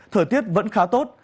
thời tiết vẫn khá tốt